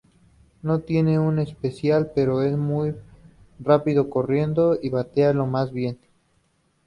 No tiene un especial pero es muy rápido corriendo y batea lo más bien.